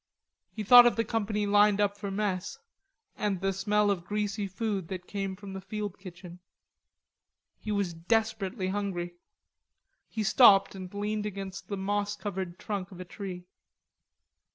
He thought of the company lined up for mess, and the smell of greasy food that came from the field kitchen. He was desperately hungry. He stopped and leaned against the moss covered trunk of a tree.